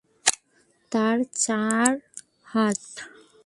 তার চার হাত।